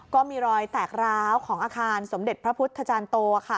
ก็มีรอยแตกร้าวของอาคารสมเด็จพระพุทธจารย์โตค่ะ